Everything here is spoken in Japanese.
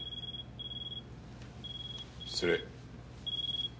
失礼。